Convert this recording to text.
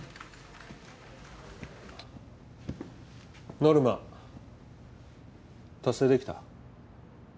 ノルマ達成できた？